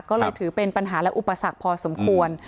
ก็เลยถือเป็นปัญหาและอุปสรรคพอสมควร